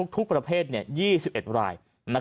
ทุกประเภท๒๑ราย